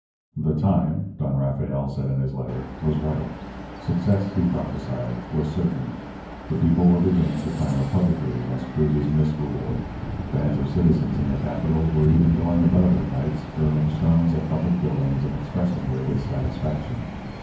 "The time, Don Rafael said in his letter, was ripe. Success, he prophesied, was certain. The people were beginning to clamour publicly against Cruz's misrule. Bands of citizens in the capital were even going about of nights hurling stones at public buildings and expressing their dissatisfaction.